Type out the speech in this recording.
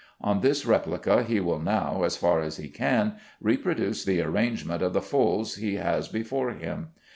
On this replica he will now, as far as he can, reproduce the arrangement of the folds he has before him.